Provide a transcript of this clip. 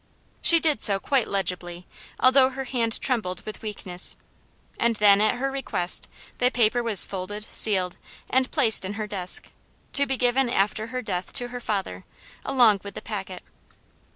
She did so quite legibly, although her hand trembled with weakness; and then, at her request, the paper was folded, sealed, and placed in her desk, to be given after her death to her father, along with the packet.